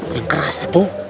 yang keras itu